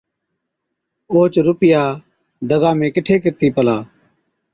اوهچ روپيا دگا ۾ ڪِٺِي ڪِرتِي پلا۔